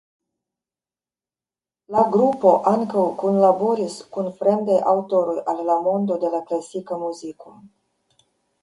La grupo ankaŭ kunlaboris kun fremdaj aŭtoroj al la mondo de la klasika muziko.